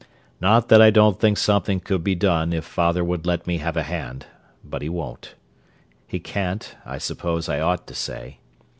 Not that I don't think something could be done if father would let me have a hand; but he won't. He can't, I suppose I ought to say.